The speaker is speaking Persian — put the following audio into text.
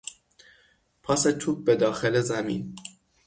پاس توپ به داخل زمین